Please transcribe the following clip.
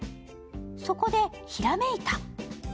そこでひらめいた！